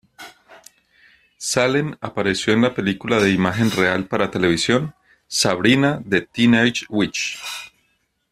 Salem apareció en la película de imagen real para televisión "Sabrina the Teenage Witch".